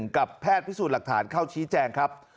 กับแพทย์พิสูจน์หลักฐานเข้าชี้แจงครับ